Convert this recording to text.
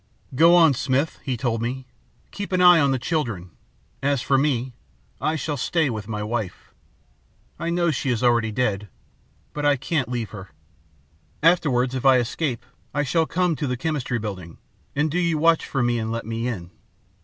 "'Go on, Smith,' he told me. 'Keep an eye on the children. As for me, I shall stay with my wife. I know she is as already dead, but I can't leave her. Afterwards, if I escape, I shall come to the Chemistry Building, and do you watch for me and let me in.'